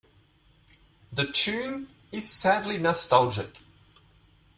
The tune is sadly nostalgic.